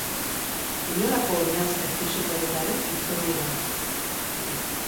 Inolako oinaze fisikorik gabe itzuli da.